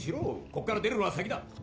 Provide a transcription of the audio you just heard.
こっから出るのが先だ